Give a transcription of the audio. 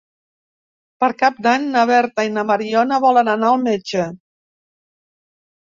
Per Cap d'Any na Berta i na Mariona volen anar al metge.